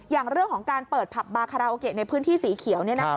อย่างเรื่องของการเปิดผับบาคาราโอเกะในพื้นที่สีเขียว